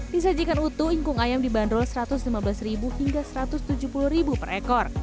disajikan utuh ingkung ayam dibanderol rp satu ratus lima belas hingga rp satu ratus tujuh puluh per ekor